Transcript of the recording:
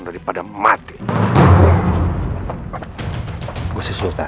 terima kasih ganjeng sultan